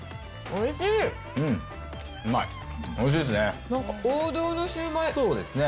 おいしいですね。